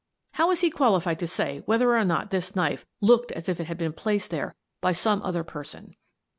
How is he qualified to say whether or not this knife ' looked as if it had been placed there by some other person